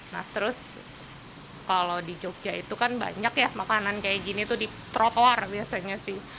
nah terus kalau di jogja itu kan banyak ya makanan kayak gini tuh di trotoar biasanya sih